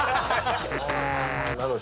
なるほど。